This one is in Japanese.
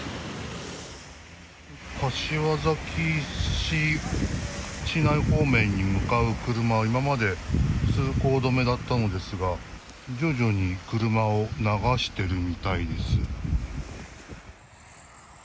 柏崎市内方面に向かう車は、今まで通行止めだったのですが、徐々に車を流してるみたいです。